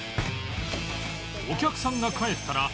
お客さんが帰ったらすぐに